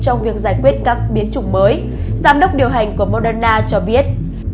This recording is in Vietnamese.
trong việc giải quyết các biến chủng mới giám đốc điều hành của moderna cho biết